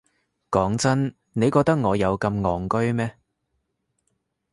講真，你覺得我有咁戇居咩？